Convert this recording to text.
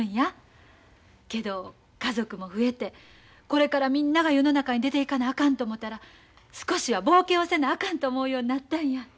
けど家族も増えてこれからみんなが世の中に出ていかなあかんと思うたら少しは冒険をせなあかんと思うようになったんや。